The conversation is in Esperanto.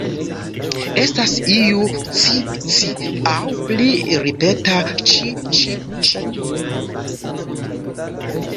Estas iu "ci-ci" aŭ pli ripeta "ĉi-ĉi-ĉi".